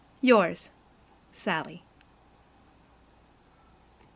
Yours, SALLIE.